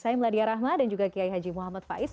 saya meladia rahma dan juga kiai haji muhammad faiz